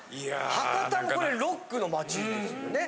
博多もこれロックの街ですよね？